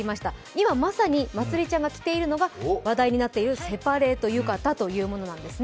今、まさにまつりちゃんが着ているのが話題になっているセパレート浴衣なんです。